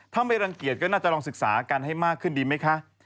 ถ้าไม่รังเกียจก็น่าจะลองศึกษากันให้มากขึ้นดีไหมคะ